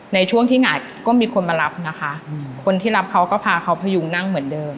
ในช่วงที่หงายก็มีคนมารับนะคะคนที่รับเขาก็พาเขาพยุงนั่งเหมือนเดิม